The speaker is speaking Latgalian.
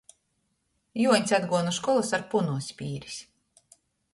Juoņs atguoja nu školys ar punu iz pīris.